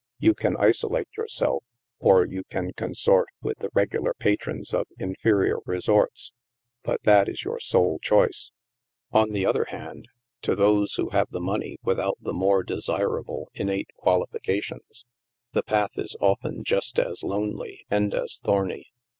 You can isolate yourself, or you can consort with the regular patrons of in ferior resorts, but that is your sole choice. On the other hand, to those who have the money without the more desirable innate qualifications, the path is often just as lonely and as thorny.